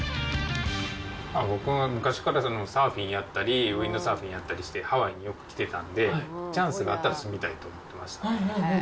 僕、昔からサーフィンやったり、ウィンドサーフィンやったりして、ハワイによく来てたんで、チャンスがあったら住みたいと思ってました。